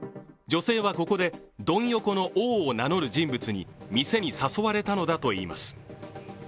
女性はここでドン横の王を名乗る人物に店に誘われたのだといいます。